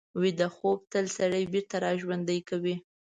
ویده خوب تل سړی بېرته راژوندي کوي